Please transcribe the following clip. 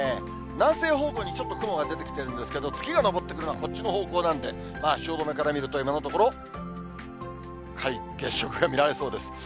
南西方向にちょっと雲が出てきてるんですけど、月が昇ってくるのはこっちの方向なんで、まあ汐留から見ると、今のところ、皆既月食が見られそうです。